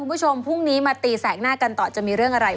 คุณผู้ชมพรุ่งนี้มาตีแสกหน้ากันต่อจะมีเรื่องอะไร